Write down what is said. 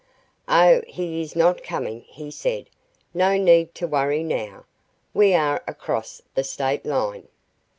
"Oh, he is not coming," he said. "No need to worry now. We are across the State line."